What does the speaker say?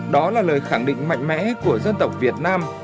đó là lời khẳng định mạnh mẽ của dân tộc việt nam